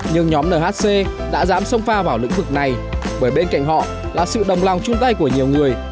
nhưng nhóm nhc đã dám xông pha vào lĩnh vực này bởi bên cạnh họ là sự đồng lòng chung tay của nhiều người